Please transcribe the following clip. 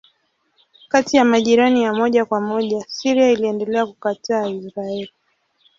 Kati ya majirani ya moja kwa moja Syria iliendelea kukataa Israeli.